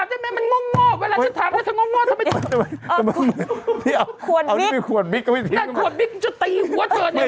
ไม่เหมือนเนอะกี่ปีแล้ว